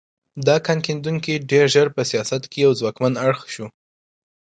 دا کان کیندونکي ډېر ژر په سیاست کې یو ځواکمن اړخ شو.